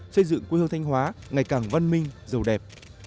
xây dựng quê hương thanh hóa ngày càng văn minh giàu đẹp